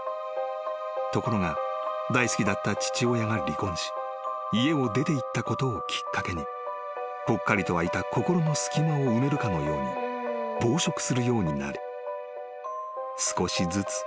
［ところが大好きだった父親が離婚し家を出ていったことをきっかけにぽっかりとあいた心の隙間を埋めるかのように暴食するようになり少しずつ太っていった］